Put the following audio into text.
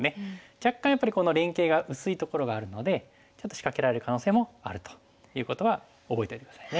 若干やっぱりこの連係が薄いところがあるのでちょっと仕掛けられる可能性もあるということは覚えておいて下さいね。